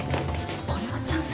これはチャンスよ。